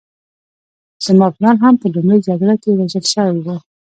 زما پلار هم په لومړۍ جګړه کې وژل شوی و